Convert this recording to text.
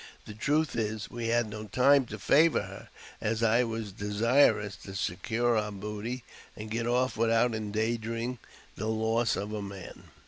The truth ' is, we had no time to favour her, as I was desirous to secure our booty and get off without endangering the loss of a man.